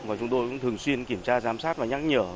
và chúng tôi cũng thường xuyên kiểm tra giám sát và nhắc nhở